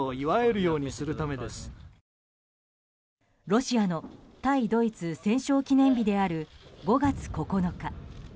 ロシアの対ドイツ戦勝記念日である５月９日。